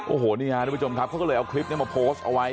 โอ้โหนี่ฮะทุกผู้ชมครับเขาก็เลยเอาคลิปนี้มาโพสต์เอาไว้